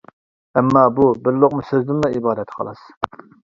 ئەمما بۇ بىر لوقما سۆزدىنلا ئىبارەت، خالاس.